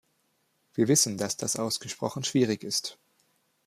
Wir wissen, dass das ausgesprochen schwierig ist.